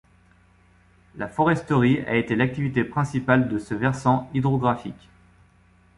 La foresterie a été l’activité principale de ce versant hydrographique.